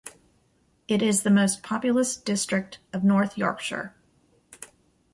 It is the most populous district of North Yorkshire.